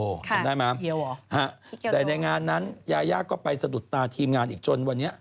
จำได้ไหมแต่ในงานนั้นยายาก็ไปสะดุดตาทีมงานอีกจนวันนี้